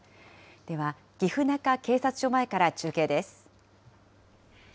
では、岐阜中警察署前から中継です。